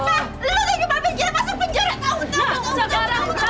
lo tuh kebahagiaan gila pasang penjara